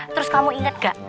terus kamu inget gak